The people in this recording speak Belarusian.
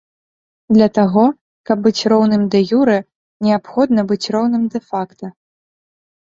Для таго, каб быць роўным дэ-юрэ, неабходна быць роўным дэ-факта.